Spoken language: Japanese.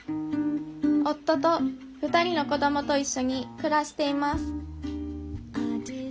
夫と２人の子どもと一緒に暮らしています